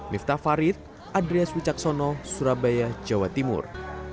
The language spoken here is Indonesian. miftah farid adria sucaksono surabaya jawa timur